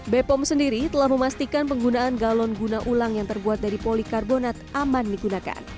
bepom sendiri telah memastikan penggunaan galon guna ulang yang terbuat dari polikarbonat aman digunakan